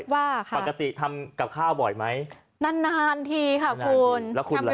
ว่าค่ะปกติทำกับข้าวบ่อยไหมนานนานทีค่ะคุณแล้วคุณเลย